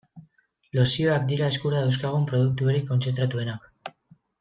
Lozioak dira eskura dauzkagun produkturik kontzentratuenak.